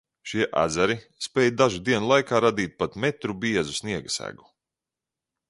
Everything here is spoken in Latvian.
Šie ezeri spēj dažu dienu laikā radīt pat metru biezu sniega segu.